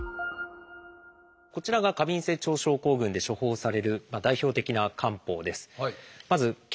こちらが過敏性腸症候群で処方される代表的な漢方です。